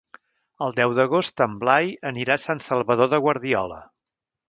El deu d'agost en Blai anirà a Sant Salvador de Guardiola.